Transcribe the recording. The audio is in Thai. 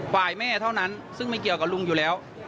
ฝ่ายแม่เท่านั้นซึ่งไม่เกี่ยวกับลุงอยู่แล้ว